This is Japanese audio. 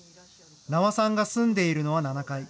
名和さんが住んでいるのは７階。